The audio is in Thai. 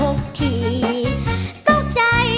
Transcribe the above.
เพลงเก่งของคุณครับ